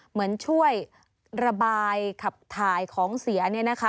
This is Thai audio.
เหมือนช่วยระบายขับถ่ายของเสีย